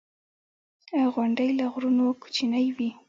• غونډۍ له غرونو کوچنۍ وي.